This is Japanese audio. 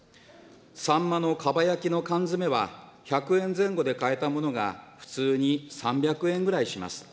サンマのかば焼きの缶詰は１００円前後で買えたものが、普通に３００円ぐらいします。